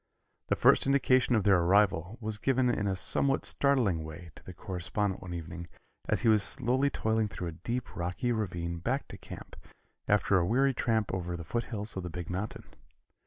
The first indication of their arrival was given in a somewhat startling way to the correspondent one evening as he was slowly toiling through a deep, rocky ravine back to camp, after a weary tramp over the foothills of the big mountain.